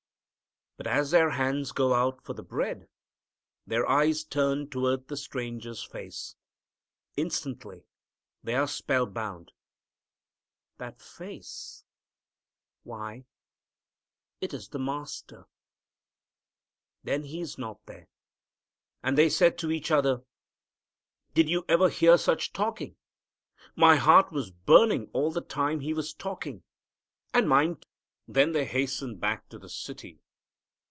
But as their hands go out for the bread, their eyes turn toward the Stranger's face. Instantly they are spell bound that face why it is the Master!! Then He is not there. And they said to each other, "Did you ever hear such talking?" "My heart was burning all the time He was talking." "And mine, too." Then they hasten back to the city.